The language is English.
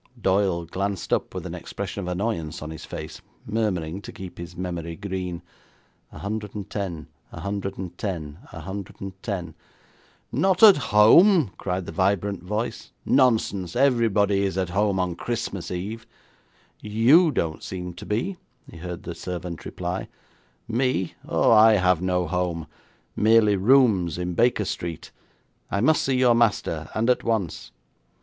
Doyle glanced up with an expression of annoyance on his face, murmuring, to keep his memory green: 'A hundred and ten, a hundred and ten, a hundred and ten.' 'Not at home?' cried the vibrant voice. 'Nonsense! Everybody is at home on Christmas Eve!' 'You don't seem to be,' he heard the servant reply. 'Me? Oh, I have no home, merely rooms in Baker Street. I must see your master, and at once.'